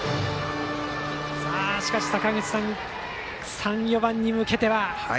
しかし、坂口さん３、４番に向けては。